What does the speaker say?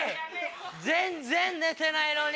全然寝てないのに。